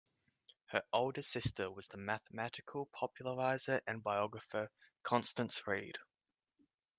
Her older sister was the mathematical popularizer and biographer Constance Reid.